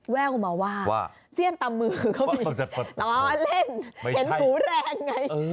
แว่วมาว่าเสี้ยนตำมือเขามีล้อเล่นเห็นหมูแรงไง